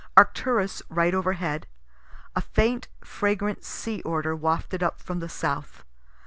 Arcturus right overhead. A faint fragrant sea odor wafted up from the south.